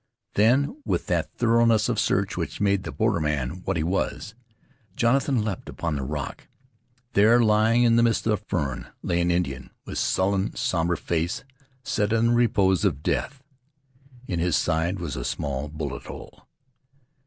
Then with that thoroughness of search which made the borderman what he was, Jonathan leaped upon the rock. There, lying in the midst of the ferns, lay an Indian with sullen, somber face set in the repose of death. In his side was a small bullet hole.